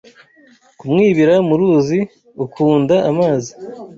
Kumwibira mu ruzi ukunda amazi